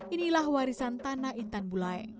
inilah warisan tanah intan bulai